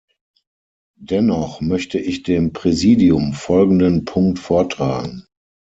Dennoch möchte ich dem Präsidium folgenden Punkt vortragen.